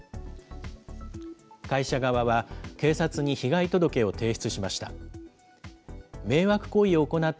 会社側は警察に被害届を提出しました。